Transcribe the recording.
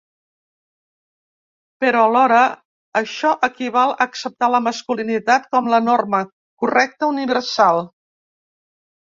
Però alhora, això equival a acceptar la masculinitat com la norma correcta universal.